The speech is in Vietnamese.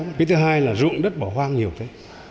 cái thứ hai là ruộng đất bỏ hoang nhiều thế